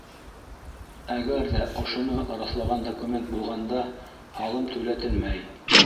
Әгәр ҙә ошоно раҫлаған документ булғанда, һалым түләтелмәй.